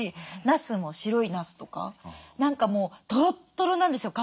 なすも白いなすとか何かもうトロットロなんですよ。